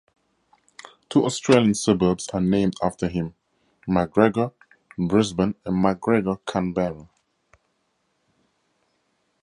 Two Australian suburbs are named after him: Macgregor, Brisbane and Macgregor, Canberra.